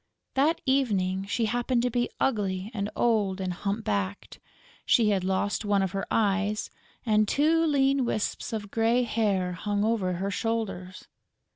That evening, she happened to be ugly and old and hump backed; she had lost one of her eyes; and two lean wisps of grey hair hung over her shoulders.